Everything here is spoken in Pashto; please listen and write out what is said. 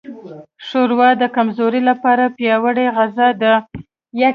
ښوروا د کمزورو لپاره پیاوړې غذا ده.